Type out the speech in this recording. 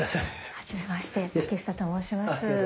はじめまして竹下と申します